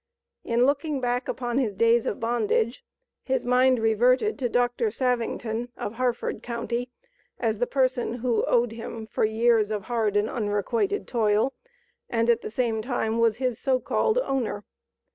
In looking back upon his days of bondage, his mind reverted to Dr. Savington, of Harford county, as the person who owed him for years of hard and unrequited toil, and at the same time was his so called owner.